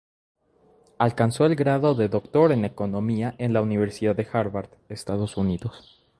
Alcanzó el grado de doctor en economía en la Universidad de Harvard, Estados Unidos.